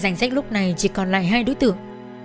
danh sách lúc này chỉ còn lại hai đối tượng